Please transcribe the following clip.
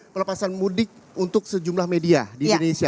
pelepasan mudik untuk sejumlah media di indonesia